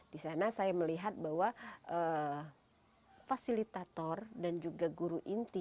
di sana saya melihat bahwa fasilitator dan juga guru inti